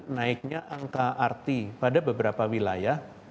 naiknya karakter pergoloh ini